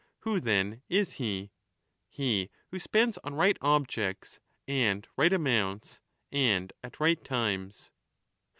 Who, then, is he ? He who spends on right objects and right amounts and at right times.